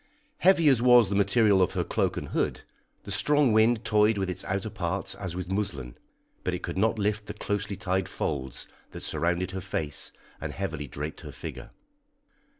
Heavy as was the material of her cloak and hood, the strong wind toyed with its outer parts as with muslin, but it could not lift the closely tied folds that surrounded her face and heavily draped her figure.